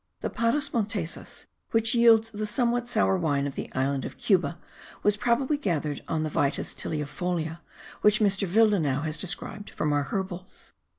The Parras monteses which yields the somewhat sour wine of the island of Cuba, was probably gathered on the Vitis tiliaefolia which Mr. Willdenouw has described from our herbals.